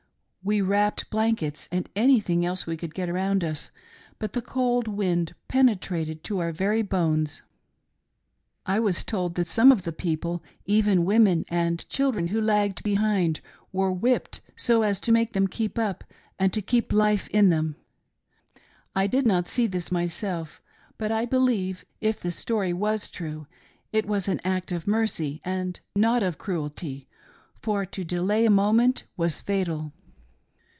We wrapped blankets and anything else we could get around us, but the cold wind penetrated to our very bones. I was told that some of the people, even women and children who lagged behind were whipped so as to make them keep up, and to keep life in them. I did not see this myself, but I believe, if the story was true, it was an act of mercy and not of cruelty, for to delay a moment was fatal..